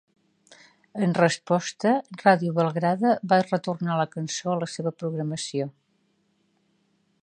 En resposta, Radio Belgrade va retornar la cançó a la seva programació.